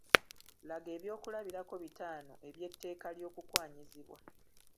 Laga eby'okulabirako bitaano eby’etteeka ly’okukwanyizibwa.